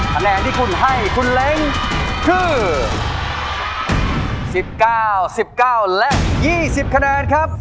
คะแนนที่คุณให้คุณเล้งคือ๑๙๑๙และ๒๐คะแนนครับ